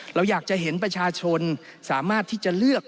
เราอยากจะเห็นประชาชนสามารถที่จะเลือก